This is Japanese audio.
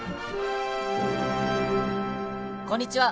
こんにちは！